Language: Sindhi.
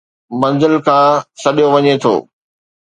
منزلن کان سڏيو وڃي ٿو